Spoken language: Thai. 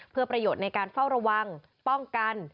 เพื่อประโยชน์ในการเฝ้าระวังป้องกัน